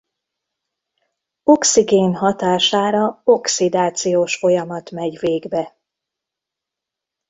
Oxigén hatására oxidációs folyamat megy végbe.